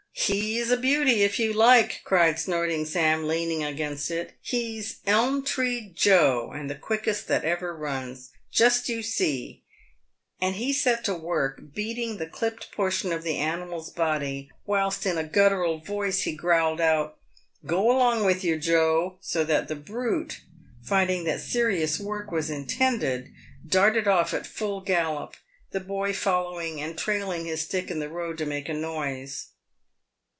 "He is a beauty if you like," cried Snorting Sam, leaning against it. "He's Elm tree J e, and the quickest that ever runs. Just you see." And he set to work beating the clipped portion of the animal's body, whilst in a guttural voice he growled out, " Go along with yer, Joe," so that the brute, finding that serious work was intended, darted off at a full gallop, the boy following and trailing his stick in the road to make a noise.